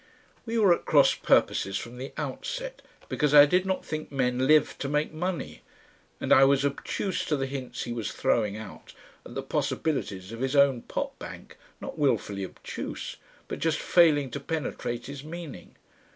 We were at cross purposes from the outset, because I did not think men lived to make money; and I was obtuse to the hints he was throwing out at the possibilities of his own potbank, not willfully obtuse, but just failing to penetrate his meaning.